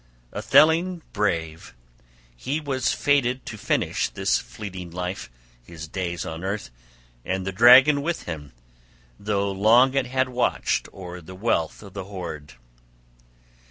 Atheling brave, he was fated to finish this fleeting life, {31a} his days on earth, and the dragon with him, though long it had watched o'er the wealth of the hoard!